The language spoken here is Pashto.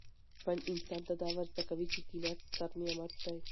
ژوند انسان ته دا ور زده کوي چي قناعت ستر نعمت دی.